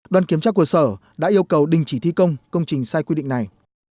đoàn kiểm tra của sở đã yêu cầu đình chỉ thi công công trình sai quy định này